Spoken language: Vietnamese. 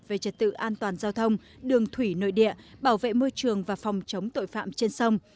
về trật tự an toàn giao thông đường thủy nội địa bảo vệ môi trường và phòng chống tội phạm trên sông